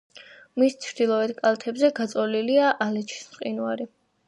მის ჩრდილოეთ კალთებზე გაწოლილია ალეჩის მყინვარი.